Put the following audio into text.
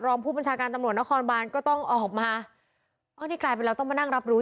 รอบผู้บัญชาการตำรวจนครบ้านก็ต้องออกมาต้องมานั่งรับรู้